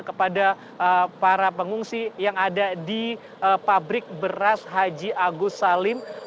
kepada para pengungsi yang ada di pabrik beras haji agus salim